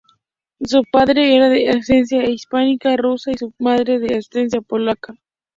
Su padre era de ascendencia hispano-rusa y su madre de ascendencia polaca.